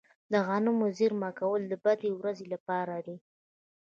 د غنمو زیرمه کول د بدې ورځې لپاره دي.